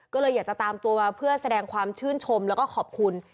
ก็เลยอยากจะตามตัวมาเพื่อแสดงความชื่นชมแล้วก็ขอบคุณ